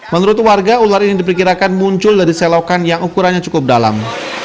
menurut warga ular ini diperkirakan muncul dari selokan yang ukurannya cukup dalam